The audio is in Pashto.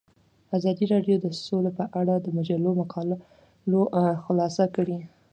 ازادي راډیو د سوله په اړه د مجلو مقالو خلاصه کړې.